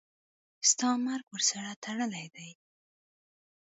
ستا مرګ ورسره تړلی دی.